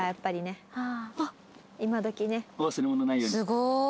すごい！